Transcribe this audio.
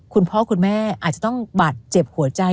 คุณพ่อคุณแม่อาจจะต้องบาดเจ็บหัวใจ